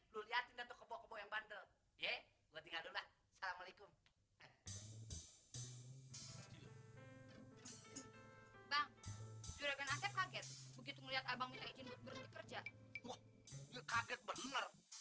wah dia kaget bener